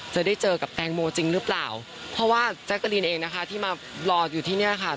จะได้เจอกับแตงโมจริงหรือเปล่าเพราะว่าแจ๊กกะรีนเองนะคะที่มารออยู่ที่เนี่ยค่ะ